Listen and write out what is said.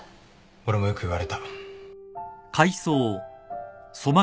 俺もよく言われた。